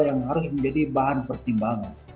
yang harus menjadi bahan pertimbangan